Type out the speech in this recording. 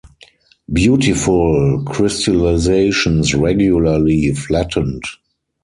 Beautiful crystallizations regularly flattened.